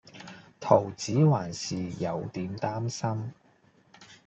桃子還是有點擔心